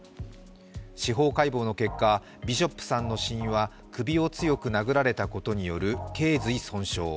司法解剖の結果、ビショップさんの死因は首を強く殴られたことによるけい髄損傷。